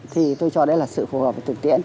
thì tôi cho đấy là sự phù hợp với thực tiễn